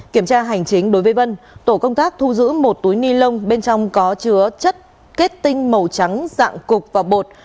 kiểm tra hành chính đối với vân tổ công tác thu giữ một túi ni lông bên trong có chứa chất kết tinh màu trắng dạng cục và bột